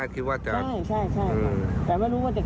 ใช่แต่ไม่รู้ว่าจะแร้แรงขนาดนี้